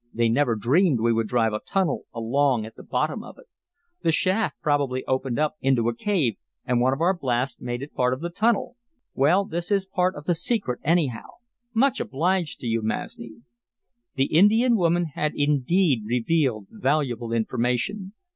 They never dreamed we would drive a tunnel along at the bottom of it. The shaft probably opened into a cave, and one of our blasts made it part of the tunnel. Well, this is part of the secret, anyhow. Much obliged to you, Masni!" The Indian woman had indeed revealed valuable information.